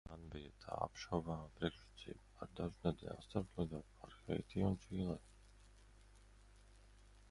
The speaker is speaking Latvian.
Man bija tā apšaubāmā priekšrocība ar dažu nedēļu atstarpi lidot pāri Haiti un Čīlei.